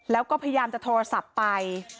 แล้วก็พยายามจะโทรศัพท์ไป